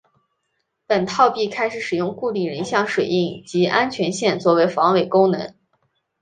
本套币开始使用固定人像水印及安全线作为防伪功能。